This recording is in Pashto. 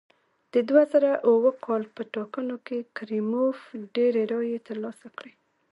د دوه زره اووه کال په ټاکنو کې کریموف ډېرې رایې ترلاسه کړې.